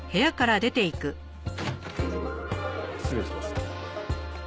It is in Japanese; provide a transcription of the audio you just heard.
失礼します。